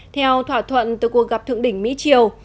theo thỏa thuận từ cuộc gặp thượng đỉnh mỹ triều